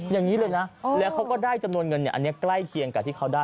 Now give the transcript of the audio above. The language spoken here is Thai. อย่างนี้เลยนะแล้วเขาก็ได้จำนวนเงินอันนี้ใกล้เคียงกับที่เขาได้